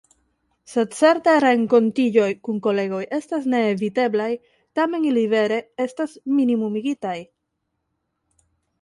Sed certe renkontiĝoj kun kolegoj estas neeviteblaj, tamen ili vere estas minimumigitaj.